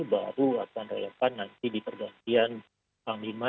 baru akan relevan nanti di pergantian panglima